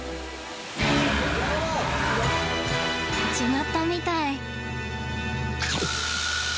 違ったみたい。